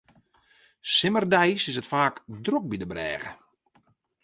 Simmerdeis is it faak drok by de brêge.